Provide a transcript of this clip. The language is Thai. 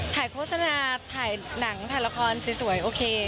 โฆษณาถ่ายหนังถ่ายละครสวยโอเค